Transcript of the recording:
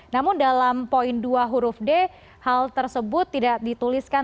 namun dalam poin dua huruf d hal tersebut tidak dituliskan